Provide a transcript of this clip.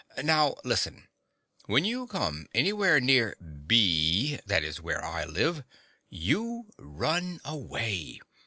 " Now listen : When you come anywhere near B (that is where I live) you run away.